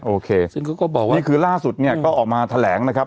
โอเคซึ่งเขาก็บอกว่านี่คือล่าสุดเนี่ยก็ออกมาแถลงนะครับ